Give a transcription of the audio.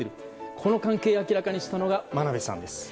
この関係を明らかにしたのが真鍋さんです。